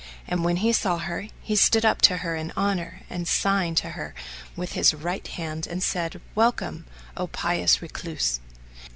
And when he saw her, he stood up to her in honour and signed to her with his right hand and said, "Welcome O pious recluse!"